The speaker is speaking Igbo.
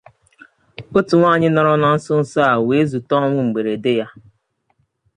Otu nwaanyị nọrọ na nsonso a wee zute ọnwụ mberede ya